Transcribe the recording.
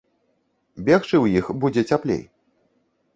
Бегчы ў іх будзе цяплей.